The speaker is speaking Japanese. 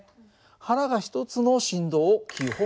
腹が１つの振動を基本